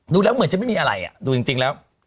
ดูแล้วเหมือนจะไม่มีอะไรดูจริงแล้ว